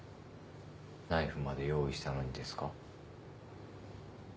ナイフまで用意したのにですか？